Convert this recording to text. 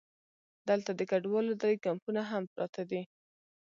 دلته د کډوالو درې کمپونه هم پراته دي.